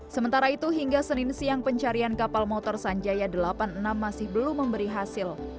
sementara itu hingga senin siang pencarian kapal motor sanjaya delapan puluh enam masih belum memberi hasil